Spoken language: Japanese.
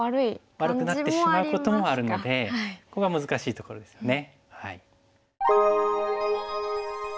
悪くなってしまうこともあるのでここが難しいところですよね。